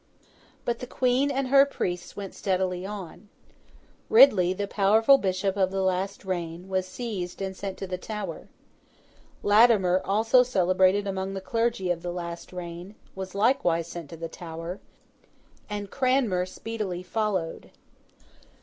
But the Queen and her priests went steadily on. Ridley, the powerful bishop of the last reign, was seized and sent to the Tower. Latimer, also celebrated among the Clergy of the last reign, was likewise sent to the Tower, and Cranmer speedily followed.